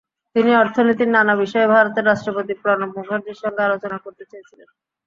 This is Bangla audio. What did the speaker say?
তিনি অর্থনীতির নানা বিষয়ে ভারতের রাষ্ট্রপতি প্রণব মুখার্জির সঙ্গে আলোচনা করতে চেয়েছিলেন।